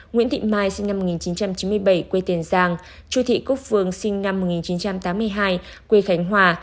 nguyễn thị mai sinh năm một nghìn chín trăm chín mươi bảy quê tiền giang chu thị cúc phương sinh năm một nghìn chín trăm tám mươi hai quê khánh hòa